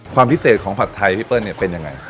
ความพิเศษของผัดไทยพี่เปิ้ลเนี่ยเป็นยังไง